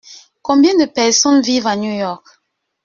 Combien de personnes vivent à New York ?